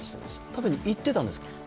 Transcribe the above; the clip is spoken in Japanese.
食べに行ってたんですか？